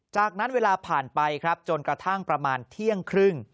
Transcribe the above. จากนั้นเวลาผ่านไปครับจนกระทั่งประมาณเที่ยงครึ่ง